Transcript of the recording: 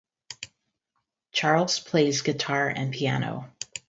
Charles plays guitar and piano.